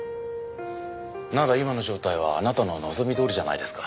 なら今の状態はあなたの望みどおりじゃないですか。